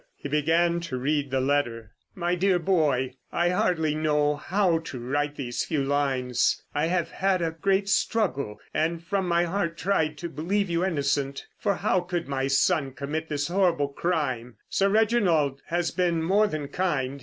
He began to read the letter: "MY DEAR BOY,—I hardly know how to write these few lines. I have had a great struggle, and from my heart tried to believe you innocent—for how could my son commit this horrible crime? Sir Reginald has been more than kind.